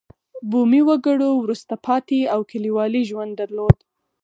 بومي وګړو وروسته پاتې او کلیوالي ژوند درلود.